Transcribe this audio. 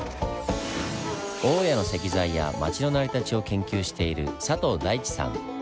大谷の石材や町の成り立ちを研究している佐藤大地さん。